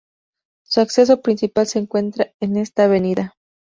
Su acceso principal se encuentra en esta avenida.